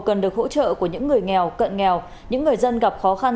cần được hỗ trợ của những người nghèo cận nghèo những người dân gặp khó khăn